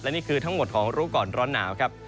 นี่คือทั้งหมดของรู้ก่อนร้อนหนาวครับ